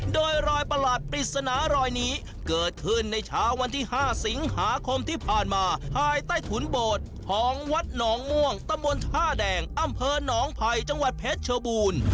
โดยรอยประหลาดปริศนารอยนี้เกิดขึ้นในเช้าวันที่๕สิงหาคมที่ผ่านมาภายใต้ถุนโบสถ์ของวัดหนองม่วงตำบลท่าแดงอำเภอหนองไผ่จังหวัดเพชรชบูรณ์